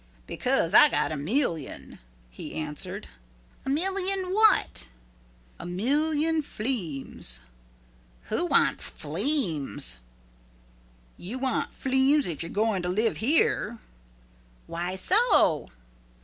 "Because I got a million," he answered. "A million what?" "A million fleems." "Who wants fleems?" "You want fleems if you're going to live here." "Why so?"